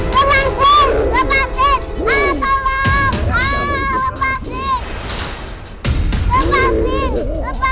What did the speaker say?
dan kaz authors yang masih kaget